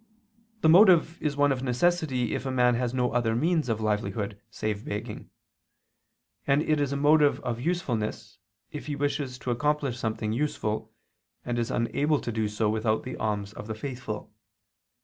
The motive is one of necessity if a man has no other means of livelihood save begging; and it is a motive of usefulness if he wishes to accomplish something useful, and is unable to do so without the alms of the faithful.